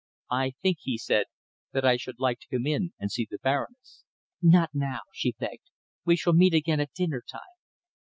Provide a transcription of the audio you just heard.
"I think," he said, "that I should like to come in and see the Baroness." "Not now," she begged. "We shall meet again at dinner time."